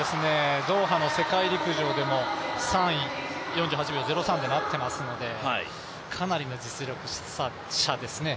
ドーハの世界陸上でも３位、４８秒０３でなっていますのでかなりの実力者ですね。